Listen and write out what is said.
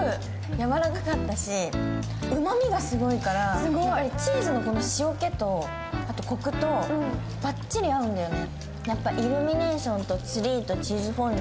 やわらかかったし、うまみがすごいから、チーズの塩気とコクと、ばっちり合うんだよね。